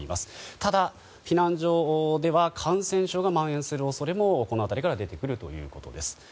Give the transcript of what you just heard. ただ、避難所では感染症がまん延する恐れもこの辺りから出てくるということです。